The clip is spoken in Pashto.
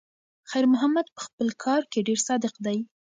خیر محمد په خپل کار کې ډېر صادق دی.